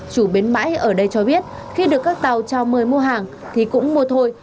chủ bến bãi ở đây cho biết khi được các tàu trao mời mua hàng thì cũng mua thôi